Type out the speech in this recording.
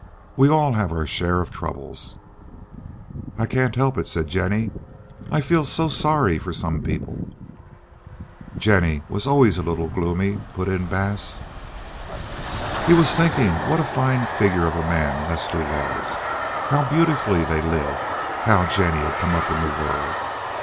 We all have our share of troubles." "I can't help it," said Jennie. "I feel so sorry for some people." "Jennie always was a little gloomy," put in Bass. He was thinking what a fine figure of a man Lester was, how beautifully they lived, how Jennie had come up in the world.